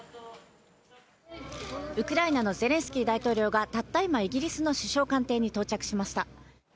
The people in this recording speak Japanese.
ウクライナのゼレンスキー大統領が、たった今、イギリスの首相官邸に到着しました。